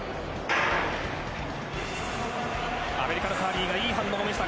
アメリカのカーリーがいい反応を見せた。